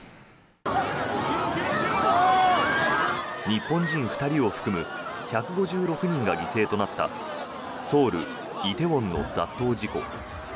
日本人２人を含む１５６人が犠牲となったソウル・梨泰院の雑踏事故。